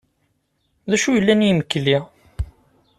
D acu i yellan i yimekli?